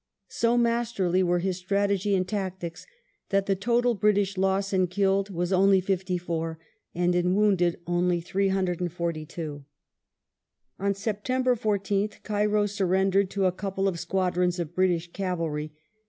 So masterly were his strategy and tactics that the total British loss in killed was only 54, and in wounded only 342. On September 14th, Cairo suiTendered to a couple of squadrons of British cavalry.